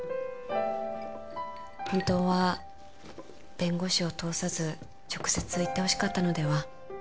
本当は弁護士を通さず直接言ってほしかったのでは？